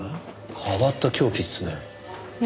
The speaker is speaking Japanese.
変わった凶器っすね。